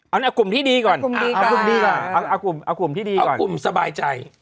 เอากลุ่มที่ดีก่อนเอากลุ่มที่ดีก่อนเอากลุ่มที่ดีก่อนเอากลุ่มที่สบายใจ